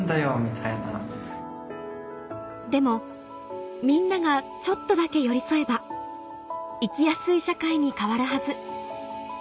でもみんながちょっとだけ寄り添えば生きやすい社会に変わるはず